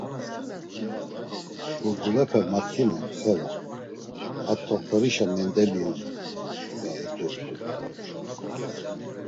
Burgulepe matzunen Xeva, a t̆oxt̆orişa mendemiyoni, ya it̆urt̆u.